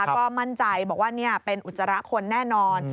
ก็มั่นใจบอกว่าเป็นอุจจาระคนแน่นอน